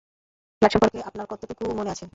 Flight সম্পর্কে আপনার কতটুকু মনে আছে?